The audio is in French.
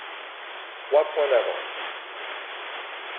Trois points d’avance.